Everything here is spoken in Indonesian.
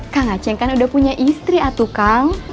kak ngaceng kan udah punya istri tuh kan